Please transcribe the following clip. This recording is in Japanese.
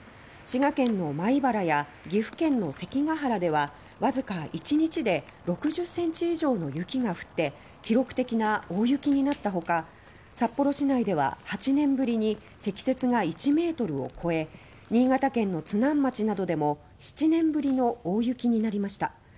滋賀県の米原や岐阜県の関ケ原ではわずか一日で６０ｃｍ以上の雪が降り記録的な大雪となったほか札幌市内では８年ぶりに積雪が１ｍを超え新潟県の津南町などでも７年ぶりの大雪となりました。